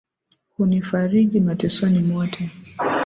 Hunifariji matesoni mwote,